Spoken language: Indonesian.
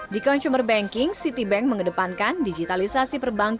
di consumer banking citibank mengedepankan digitalisasi